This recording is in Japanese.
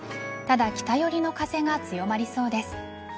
ただ、北寄りの風が強まりそうです。